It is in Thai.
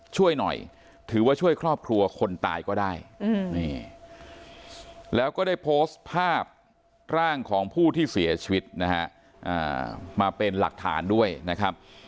ช่วยหน่อยถือว่าช่วยครอบครัวคนตายก็ได้นี่แล้วก็ได้โพสต์ภาพร่างของผู้ที่เสียชีวิตนะฮะมาเป็นหลักฐานด้วยนะครับ